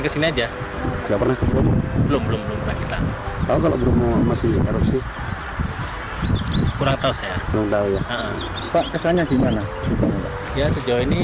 ya sejauh ini bagus